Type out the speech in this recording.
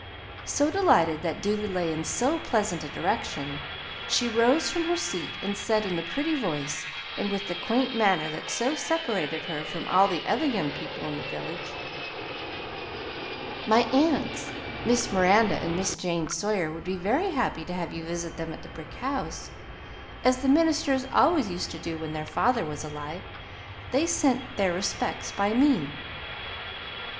So, delighted that duty lay in so pleasant a direction, she rose from her seat and said in the pretty voice and with the quaint manner that so separated her from all the other young people in the village, "My aunts, Miss Miranda and Miss Jane Sawyer, would be very happy to have you visit them at the brick house, as the ministers always used to do when their father was alive. They sent their respects by me."